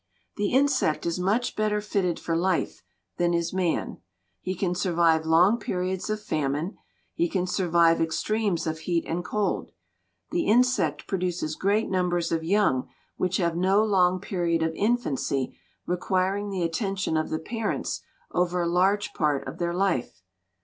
The insect is much better fitted for life than is man. He can survive long periods of famine, he can survive extremes of heat and cold. The insect produces great numbers of young which have no long period of infancy requiring the attention of the parents over a large part of their life.